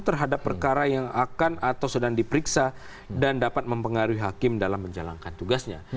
terhadap perkara yang akan atau sedang diperiksa dan dapat mempengaruhi hakim dalam menjalankan tugasnya